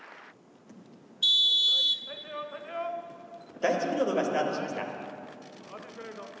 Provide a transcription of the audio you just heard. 「第１ピリオドがスタートしました」。